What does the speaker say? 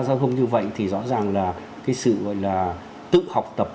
giao thông như vậy thì rõ ràng là cái sự gọi là tự học tập